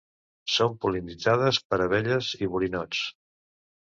Són pol·linitzades per abelles i borinots.